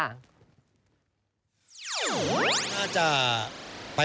น่าจะ